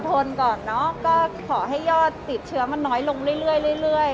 อดทนก่อนเนอะก็ขอให้ยอดติดเชื้อมันน้อยลงเรื่อยเรื่อยเรื่อย